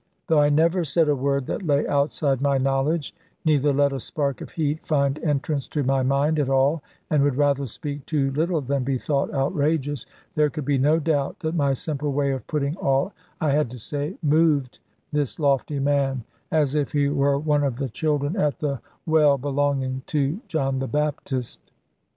Though I never said a word that lay outside my knowledge, neither let a spark of heat find entrance to my mind at all, and would rather speak too little than be thought outrageous, there could be no doubt that my simple way of putting all I had to say, moved this lofty man, as if he were one of the children at the well belonging to John the Baptist.